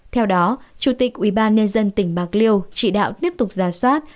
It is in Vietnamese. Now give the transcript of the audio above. theo đó chủ tịch ubnd tỉnh bạc liêu chỉ đạo tiếp tục ra soát